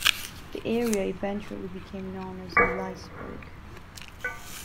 The area eventually became known as Liseberg.